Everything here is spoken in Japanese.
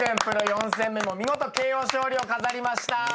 プロ４戦目も見事ＫＯ勝利を飾りました。